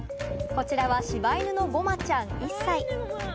こちらは柴犬のごまちゃん１歳。